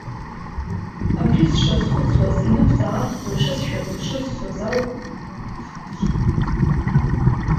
Абри сшазхәыцуаз, инықәҵааақәҵо ишысшәоз, ишыззоз ауп ауаҩы ишьра сшақәшәаз.